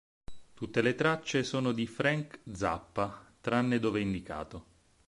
Tutte le tracce sono di Frank Zappa, tranne dove indicato.